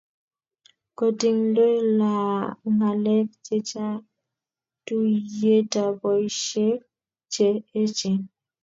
Kotingdoi ng'alek che chang' tuyietab boisiek che echen